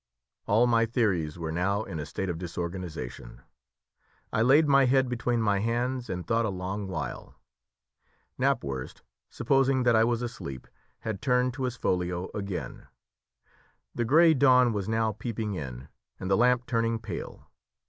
All my theories were now in a state of disorganisation. I laid my head between my hands and thought a long while. Knapwurst, supposing that I was asleep, had turned to his folio again. The grey dawn was now peeping in, and the lamp turning pale.